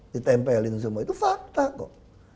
ditempelin semua itu fakta kok